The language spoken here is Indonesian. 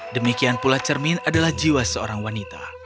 demikian pula cermin adalah jiwa seorang wanita